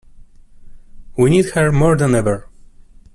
We need her more than ever